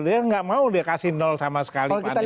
dia nggak mau dia kasih sama sekali kan karne